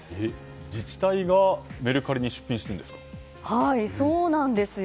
自治体がメルカリに出品しているんですか？